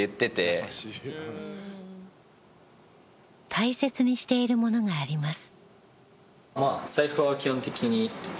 大切にしているものがあります。